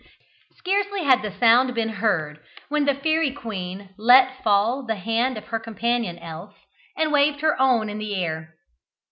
Scarcely had the sound been heard when the fairy queen let fall the hand of her companion elf, and waved her own in the air.